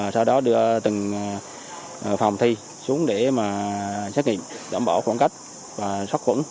sau đó đưa từng phòng thi xuống để xét nghiệm đảm bảo khoảng cách và sắc khủng